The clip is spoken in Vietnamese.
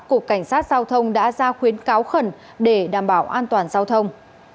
cục cảnh sát giao thông đã ra khuyến cáo khẩn để đảm bảo an toàn giao thông